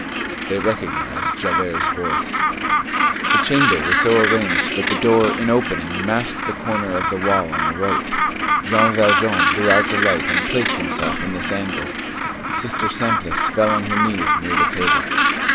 They recognized Javert's voice. The chamber was so arranged that the door in opening masked the corner of the wall on the right. Jean Valjean blew out the light and placed himself in this angle. Sister Simplice fell on her knees near the table.